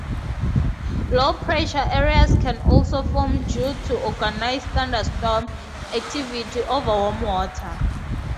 Low-pressure areas can also form due to organized thunderstorm activity over warm water.